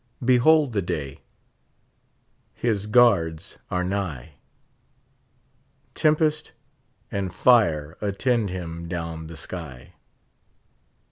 Behold the day I His guards are nigh ; Tempest and tij* attend him down the sky.